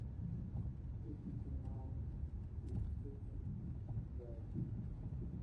Smithsonian Institution Libraries.